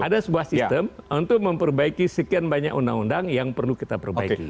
ada sebuah sistem untuk memperbaiki sekian banyak undang undang yang perlu kita perbaiki